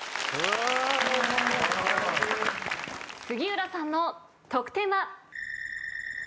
杉浦さんの得点は？